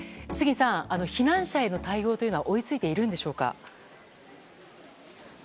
杉さん、避難者への対応というのは追いついているのでしょうか。